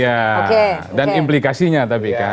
atau pengasihannya tapi kan